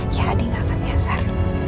ya adi gak akan nyasar